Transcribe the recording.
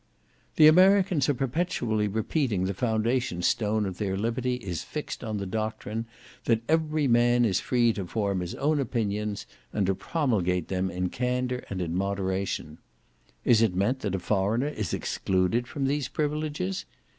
"The Americans are perpetually repeating that the foundation stone of their liberty is fixed on the doctrine, that every man is free to form his own opinions, and to promulgate them in candour and in moderation. Is it meant that a foreigner is excluded from these privileges?